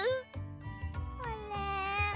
あれ？